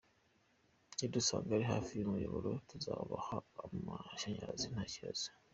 Nidusanga ari hafi y’umuyoboro tuzabaha amashanyarazi nta kibazo.